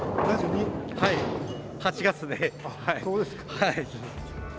はい。